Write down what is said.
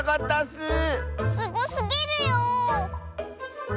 すごすぎるよ。